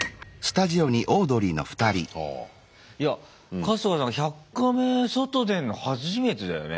いや春日さん「１００カメ」外出んの初めてだよね。